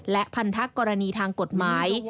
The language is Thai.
และพันธกรณีทางกฎหมาย